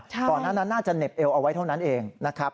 ก่อนหน้านั้นน่าจะเหน็บเอวเอาไว้เท่านั้นเองนะครับ